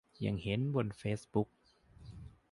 ยังเห็นกันบนเฟซบุ๊ก